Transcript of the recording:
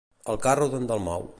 El carro d'en Dalmau.